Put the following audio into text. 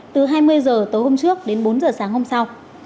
từ hai mươi h tối hôm trước đến bốn h sáng hôm sau